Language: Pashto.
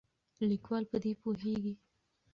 لیکوال په دې پوهیږي.